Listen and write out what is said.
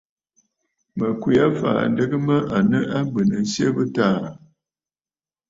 Mə̀ kwe aa fàa adɨgə mə à nɨ abwenənsyɛ bɨ̂taà aà.